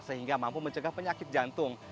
sehingga mampu mencegah penyakit jantung